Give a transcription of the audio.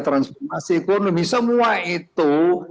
transformasi ekonomi semua itu